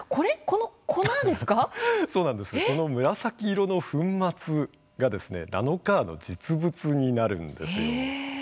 この紫色の粉末がナノカーの実物になるんですよ。